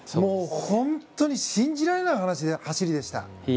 本当に信じられない走りでした。